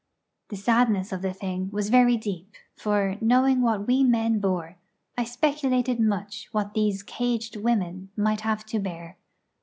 The sadness of the thing was very deep; for, knowing what we men bore, I speculated much what these caged women might have to bear.